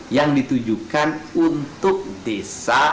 yang ditujukan untuk desa